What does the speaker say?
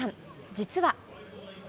実は。